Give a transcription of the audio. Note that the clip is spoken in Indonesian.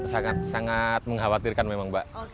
sangat sangat mengkhawatirkan memang mbak